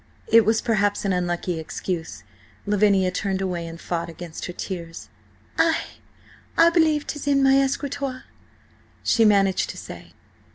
It was, perhaps, an unlucky excuse. Lavinia turned away and fought against her tears. "I–I believe–'tis in my–escritoire," she managed to say.